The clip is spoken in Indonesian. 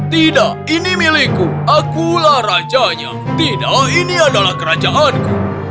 tidak ini milikku akulah rajanya tidak ini adalah kerajaanku